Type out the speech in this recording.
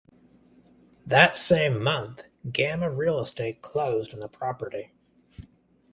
That same month Gamma Real Estate closed on the property.